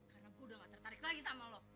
karena gue udah gak tertarik lagi sama lo